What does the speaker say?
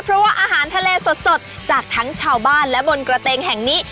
เพราะว่าอาหารทะเลสดจากทั้งชาวบ้านและบนกระเตงแห่งนี้